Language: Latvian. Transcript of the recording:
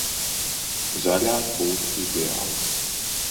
Zaļās būtu ideāli.